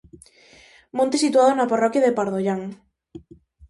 Monte situado na parroquia de Pardollán.